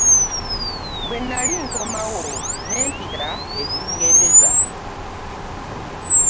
Bwe nnali nkomawo n'empita e Bungereza.